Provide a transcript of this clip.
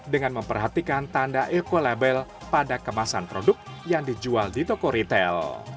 dengan memperhatikan tanda ekolabel pada kemasan produk yang dijual di toko retail